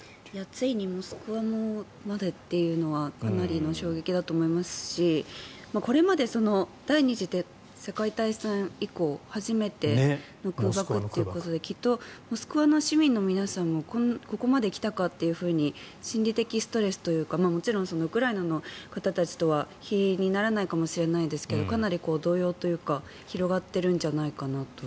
ついにモスクワまでっていうのはかなりの衝撃だと思いますしこれまで第２次世界大戦以降初めての空爆ということできっとモスクワの市民の皆さんもここまで来たかと心理的ストレスというかもちろんウクライナの方たちとは比にならないかもしれないですがかなり同様というか広がっているんじゃないかなと。